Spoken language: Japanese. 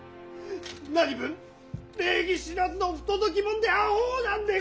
何分礼儀知らずの不届きもんであほうなんでござる！